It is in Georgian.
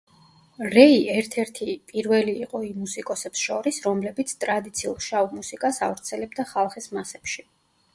რეი ერთ-ერთი პირველი იყო იმ მუსიკოსებს შორის, რომლებიც ტრადიციულ შავ მუსიკას ავრცელებდა ხალხის მასებში.